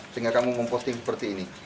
sehingga kamu memposting seperti ini